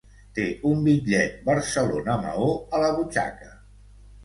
Té un bitllet Barcelona-Maó a la butxaca.